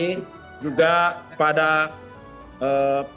terima kasih juga kepada pemimpin redaktor